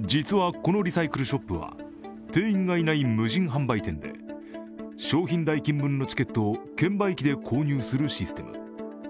実は、このリサイクルショップは店員がいない無人販売店で商品代金分のチケットを券売機で購入するシステム。